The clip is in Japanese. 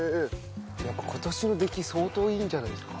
今年の出来相当いいんじゃないですか？